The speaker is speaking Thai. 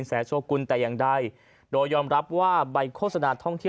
เนื่องจากว่าอยู่ระหว่างการรวมพญาหลักฐานนั่นเองครับ